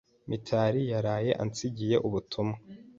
Mitari yaraye ansigiye ubutumwa.